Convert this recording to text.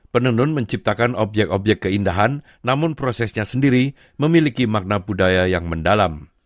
penenun menciptakan objek objek keindahan namun prosesnya sendiri memiliki makna budaya yang mendalam